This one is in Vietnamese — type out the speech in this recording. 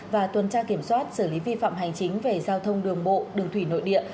và tuần tra kiểm soát xử lý vi phạm hành chính về giao thông đường bộ đường thủy nội địa